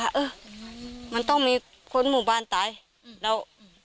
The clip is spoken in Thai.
ถุบที่ว่าคนตายนะ